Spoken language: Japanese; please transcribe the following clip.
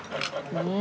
うん。